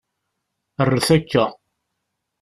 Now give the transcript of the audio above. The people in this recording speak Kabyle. Rret akka